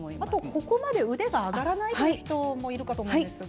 ここまで腕が上がらない人もいるかと思いますが。